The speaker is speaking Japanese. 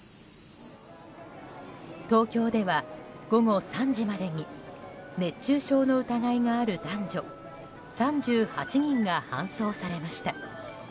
東京では午後３時までに熱中症の疑いがある男女３８人が搬送されました。